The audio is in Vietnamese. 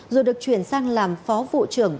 rồi được chuyển sang làm phó vụ trưởng